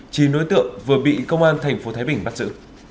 chỉ nối tượng vừa bị công an thành phố thái bình bắt giữ